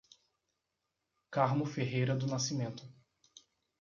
Carmo Ferreira do Nascimento